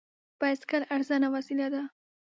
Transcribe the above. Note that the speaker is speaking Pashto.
بایسکل ارزانه وسیله ده.